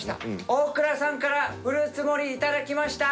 大倉さんからフルーツ盛り頂きました！